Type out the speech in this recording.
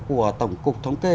của tổng cục thống kê